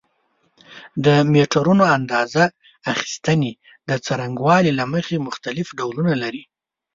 د میټرونو اندازه اخیستنې د څرنګوالي له مخې مختلف ډولونه لري.